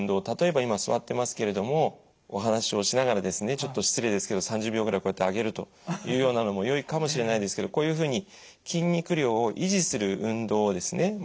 例えば今座ってますけれどもお話をしながらですねちょっと失礼ですけど３０秒ぐらいこうやって上げるというようなのもよいかもしれないですけどこういうふうに筋肉量を維持する運動をですね